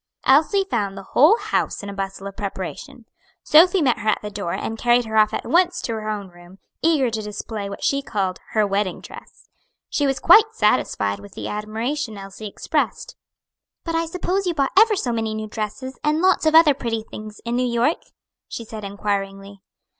Elsie found the whole house in a bustle of preparation. Sophy met her at the door and carried her off at once to her own room, eager to display what she called "her wedding dress." She was quite satisfied with the admiration Elsie expressed. "But I suppose you bought ever so many new dresses, and lots of other pretty things, in New York?" she said inquiringly.